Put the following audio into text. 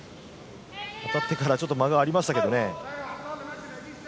当たってからちょっと間がありましたけどね。